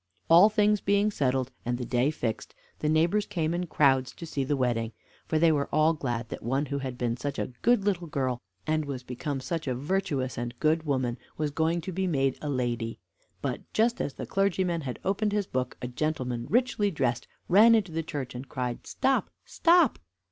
All things being settled, and the day fixed, the neighbors came in crowds to see the wedding; for they were all glad that one who had been such a good little girl, and was become such a virtuous and good woman, was going to be made a lady; but just as the clergyman had opened his book, a gentleman richly dressed ran into the church and cried, "Stop! stop!"